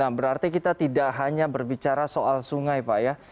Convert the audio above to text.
berarti kita tidak hanya berbicara soal sungai pak ya